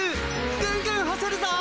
ぐんぐん干せるぞ。